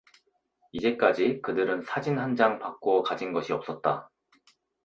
이제까지 그들은 사진 한 장 바꾸어 가진 것이 없었다.